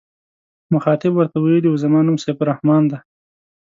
مخاطب ورته ویلي و زما نوم سیف الرحمن دی.